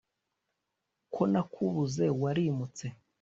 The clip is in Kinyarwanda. Ko nakubuze warimutse